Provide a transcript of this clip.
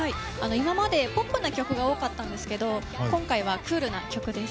今まではポップな曲が多かったんですが今回はクールな曲です。